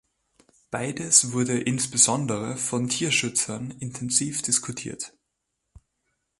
Beides wurde insbesondere von Tierschützern intensiv diskutiert.